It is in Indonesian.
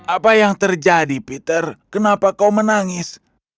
apa yang terjadi peter kenapa kau menangis